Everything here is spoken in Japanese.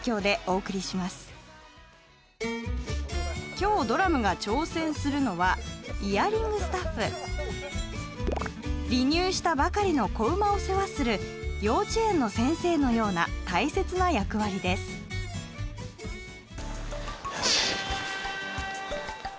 今日ドラムが挑戦するのはイヤリングスタッフ離乳したばかりの仔馬を世話する幼稚園の先生のような大切な役割ですよし！